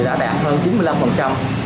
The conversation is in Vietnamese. trên đoàn cồn thì đã đạt hơn chín mươi năm